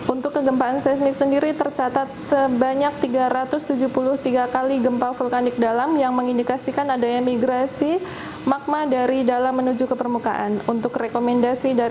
untuk kegempaan seismik sendiri tercatat sebanyak tiga ratus tujuh puluh tiga kali gempa vulkanik dalam yang mengindikasikan ada emigrasi magma dari desa